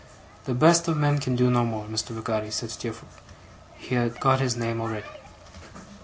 'The best of men can do no more, Mr. Peggotty,' said Steerforth. He had got his name already.